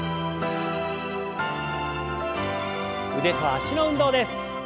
腕と脚の運動です。